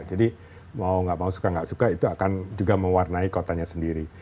jadi mau gak mau suka gak suka itu akan juga mewarnai kotanya sendiri